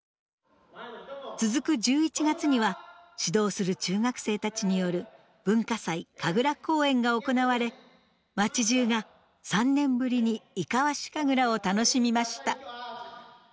続く１１月には指導する中学生たちによる文化祭・神楽公演が行われ町じゅうが３年ぶりに伊賀和志神楽を楽しみました。